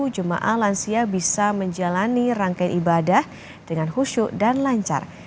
jemaah lansia bisa menjalani rangkaian ibadah dengan khusyuk dan lancar